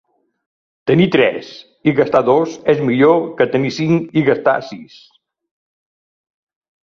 Tenir tres i gastar dos és millor que tenir cinc i gastar sis